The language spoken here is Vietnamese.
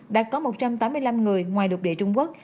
đã có một trăm tám mươi năm người ngoài đột địa trung quốc